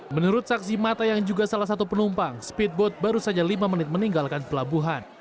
menurut saksi mata yang juga salah satu penumpang speedboat baru saja lima menit meninggalkan pelabuhan